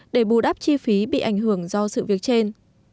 để bù đắp chi phí bị ảnh hưởng do sự việc trên